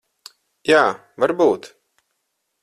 Jā, varbūt.